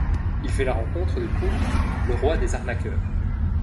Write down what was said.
Il fait la rencontre de Cool, le roi des arnaqueurs.